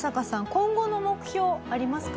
今後の目標ありますか？